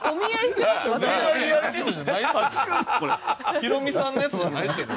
ヒロミさんのやつじゃないですよね。